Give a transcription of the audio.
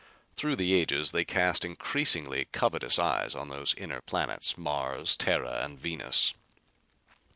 Through the ages they cast increasingly covetous eyes on those inner planets, Mars, Terra and Venus.